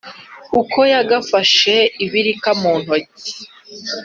uko yagafashe ibirika mu ntoki,